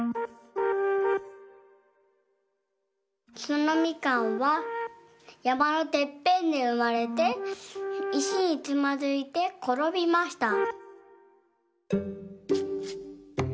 そのみかんはやまのてっぺんでうまれていしにつまずいてころびました。